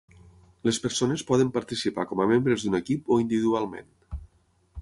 Les persones poden participar com a membres d'un equip o individualment.